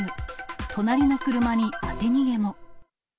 隣の車に当て逃げも。